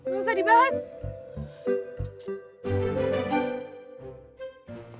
gak usah dibahas